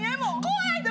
怖い！